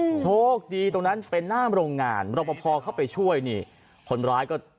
โชคดีตรงนั้นเป็นหน้าโรงงานรบพอเข้าไปช่วยนี่คนร้ายก็